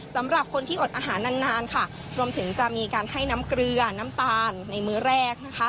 สำหรับคนที่อดอาหารนานนานค่ะรวมถึงจะมีการให้น้ำเกลือน้ำตาลในมื้อแรกนะคะ